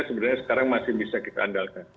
sebenarnya sekarang masih bisa kita andalkan